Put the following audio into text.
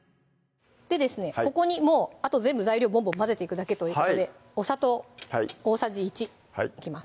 ここにあと全部材料ぼんぼん混ぜていくだけということでお砂糖大さじ１いきます